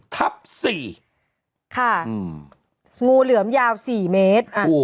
ทับ๔ค่ะงูเหลือมยาว๔เมตร